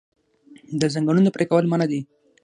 د ځنګلونو پرې کول منع دي.